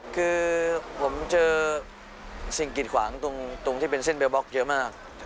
คือผมเจอสิ่งกิดขวางตรงที่เป็นเส้นเบลบล็อกเยอะมาก